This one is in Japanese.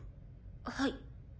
はい。